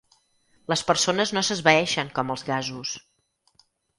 Les persones no s'esvaeixen com els gasos.